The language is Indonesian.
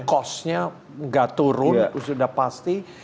costnya gak turun sudah pasti